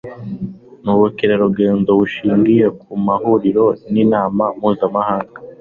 n'ubukerarugendo bushingiye ku mahuriro n'inama mpuzamahanga